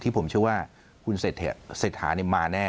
ที่ผมเชื่อว่าคุณเสร็จหามาแน่